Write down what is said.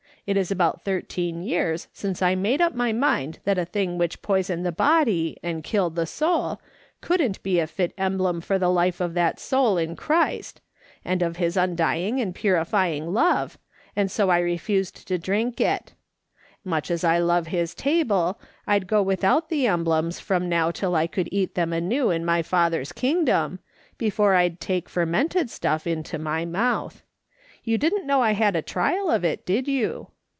It is about thirteen years since I made up my mind that a thing which poisoned the body, and killed the soul, couldn't be a fit emblem of the life of that soul in Christ, and of his undying and purifying love, and so I refused to drink it ; much as I love his table, I'd go without the emblems from now till I could eat them anew in my Father's kingdom, before I'd take fermented stuff into my mouth. You didn't know I had a trial of it, did you?"